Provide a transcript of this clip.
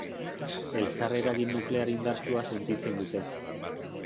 Elkarreragin nuklear indartsua sentitzen dute.